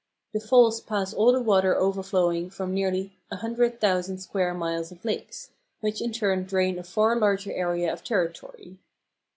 The falls pass all the water overflowing from nearly 100,000 square miles of lakes, which in turn drain a far larger area of territory.